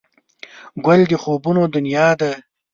ګل د خوبونو دنیا ده.